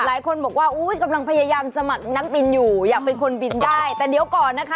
หลายคนบอกว่าอุ้ยกำลังพยายามสมัครนักบินอยู่อยากเป็นคนบินได้แต่เดี๋ยวก่อนนะคะ